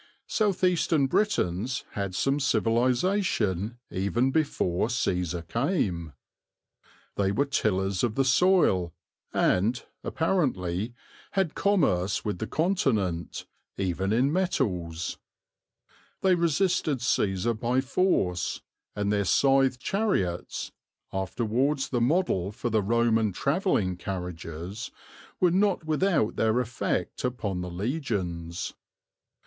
South eastern Britons had some civilization even before Cæsar came. They were tillers of the soil and, apparently, had commerce with the Continent, even in metals. They resisted Cæsar by force, and their scythe chariots (afterwards the model for the Roman travelling carriages) were not without their effect upon the legions.